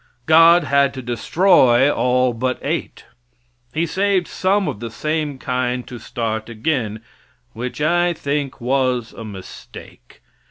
God had to destroy all but eight. He saved some of the same kind to start again, which I think was a mistake.